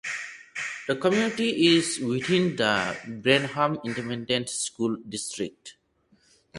The community is within the Brenham Independent School District.